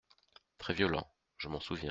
Très violent… je m’en souviens.